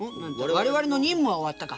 「我々の任務は終わった」か。